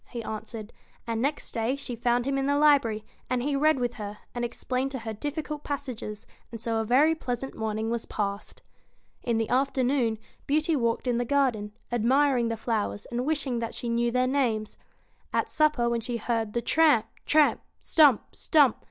he answered; and next day she found him in the library, and he read with her, and explained to her difficult passages, and so a very pleasant morning was passed. In the afternoon, Beauty walked in the garden, admiring the flowers, and wishing that she knew their names. At supper, when she heard the tramp, tramp ! stump, stump